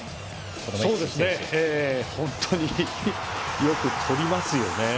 本当によく点を取りますよね。